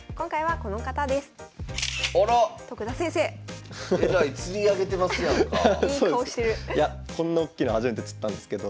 こんなおっきいの初めて釣ったんですけど。